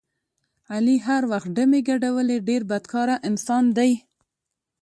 علي ټول وخت ډمې ګډولې ډېر بدکاره انسان دی.